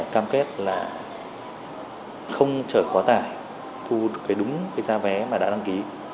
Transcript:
cảm kết là không trở khó tải thu đúng gia vé mà đã đăng ký